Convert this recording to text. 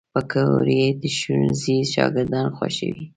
پکورې د ښوونځي شاګردان خوښوي